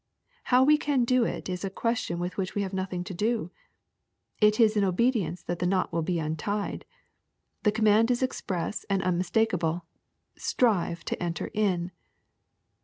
How we can do it is a question with which we have nothing to do. It is in obedience that the knot will be untied. The command is express and unmistakeable, —" Strive to enter in.''